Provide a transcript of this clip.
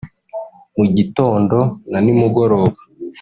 mu gitondo na nimugoroba